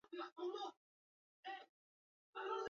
Ez sinetsi ezer, gezurra dario sugegorri horri.